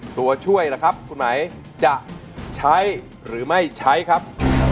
ตัวช่วยล่ะครับคุณหมายจะใช้หรือไม่ใช้ครับ